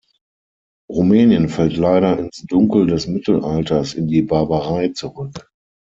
Rumänien fällt leider ins Dunkel des Mittelalters, in die Barbarei zurück.